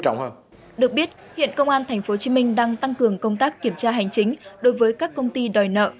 trong thời gian tới công an tp hcm đã tăng cường công tác kiểm tra hành chính đối với các công ty đòi nợ